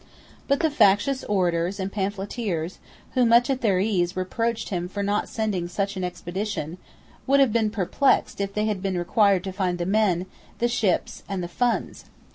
But the factious orators and pamphleteers, who, much at their ease, reproached him for not sending such an expedition, would have been perplexed if they had been required to find the men, the ships, and the funds.